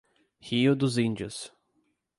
Rio dos Índios